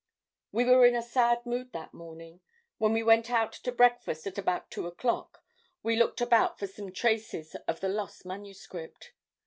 "We were in a sad mood that morning. When we went out to breakfast at about two o'clock, we looked about for some traces of the lost manuscript.